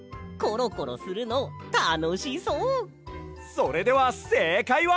それではせいかいは。